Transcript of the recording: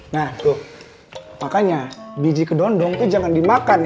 nah tuh makanya biji kedondong itu jangan dimakan